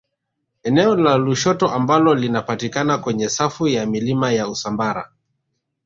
Eneo la Lushoto ambalo linapatikana kwenye safu ya milima ya Usambara